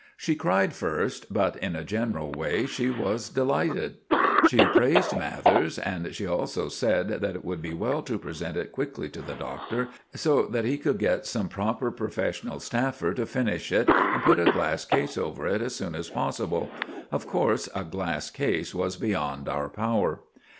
She cried first, but in a general way she was delighted. She praised Mathers; and she also said that it would be well to present it quickly to the Doctor, so that he could get some proper professional staffer to finish it and put a glass case over it as soon as possible. Of course a glass case was beyond our power.